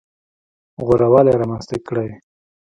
غوره والی رامنځته کړي.